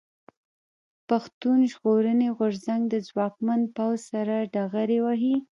پښتون ژغورني غورځنګ د ځواکمن پوځ سره ډغرې وهي.